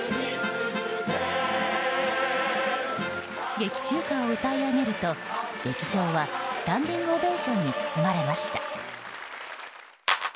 劇中歌を歌い上げると劇場はスタンディングオベーションに包まれました。